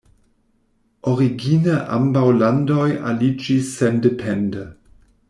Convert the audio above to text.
Origine ambaŭ landoj aliĝis sendepende.